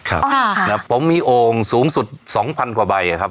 ครับค่ะครับผมมีโอ่งสูงสุดสองพันกว่าใบครับ